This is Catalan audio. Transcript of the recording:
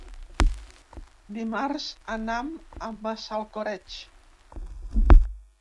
Dimarts anam a Massalcoreig.